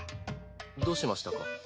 どうしましたか？